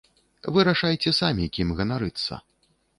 Вырашайце самі, кім ганарыцца.